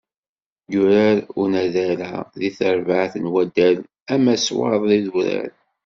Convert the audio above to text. Yurar unaddal-a deg terbaεt n waddal amaswaḍ Idurar.